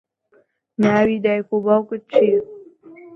ناوی دایک و باوکت چییە؟